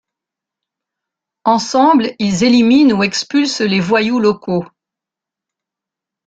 Ensemble ils éliminent ou expulsent les voyous locaux.